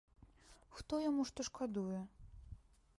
Хто яму што шкадуе?